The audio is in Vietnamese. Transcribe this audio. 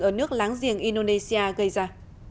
ở nước láng giềng indonesia gây ra